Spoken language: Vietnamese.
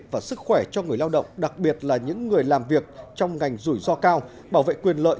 và sức khỏe cho người lao động đặc biệt là những người làm việc trong ngành rủi ro cao bảo vệ quyền lợi